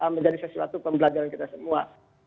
menjadi sesuatu pembelajaran kita semua